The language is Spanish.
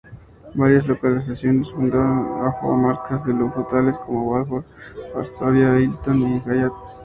Varias localizaciones funcionan bajo marcas de lujo tales como Waldorf Astoria, Hilton o Hyatt.